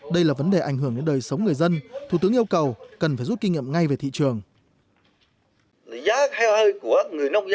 đây là vấn đề ảnh hưởng đến đời sống người dân thủ tướng yêu cầu cần phải rút kinh nghiệm ngay về thị trường